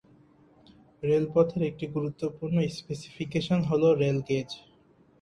রেলপথের একটি গুরুত্বপূর্ণ স্পেসিফিকেশন হল রেল গেজ।